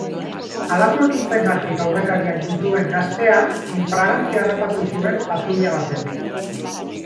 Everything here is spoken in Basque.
Halako ekintzengatik aurrekariak dituen gaztea in fraganti harrapatu zuen patruila batek.